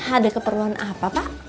ada keperluan apa pak